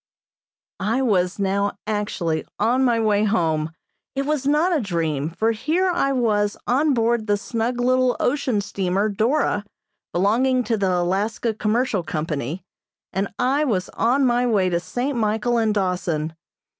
I was now actually on my way home. It was not a dream, for here I was on board the snug little ocean steamer "Dora," belonging to the Alaska Commercial Company, and I was on my way to St. Michael and Dawson.